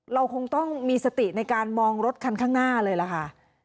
เราคงต้องมีสติในการมองรถคันข้างหน้าเลยล่ะค่ะ